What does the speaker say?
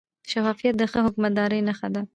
شفافیت د ښه حکومتدارۍ نښه ده.